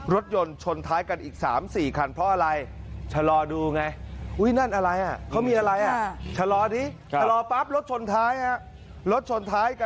รถยนต์ชนท้ายกันอีก๓๔